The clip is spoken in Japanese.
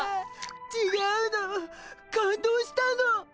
ちがうの感動したの！